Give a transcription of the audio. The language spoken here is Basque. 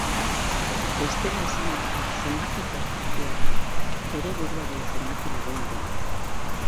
Bestela esanda, zenbaki perfektua da bere buruaren zenbaki laguna dena.